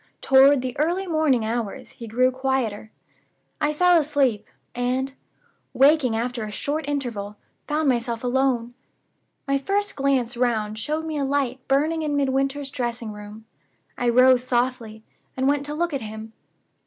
Toward the early morning hours he grew quieter. I fell asleep; and, waking after a short interval, found myself alone. My first glance round showed me a light burning in Midwinter's dressing room. I rose softly, and went to look at him.